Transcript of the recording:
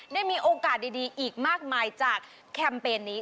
ได้มีโอกาสดีอีกมากมายจากแคมเปญนี้